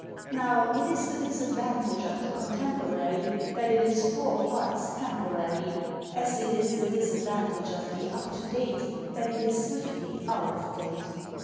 Now, it is the disadvantage 223 THE MODERNITY OF MOLIERE of the contemporary that it is four parts tempo rary; as it is the disadvantage of the up to date that it is swiftly out of date.